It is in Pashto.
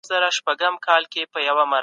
شهاب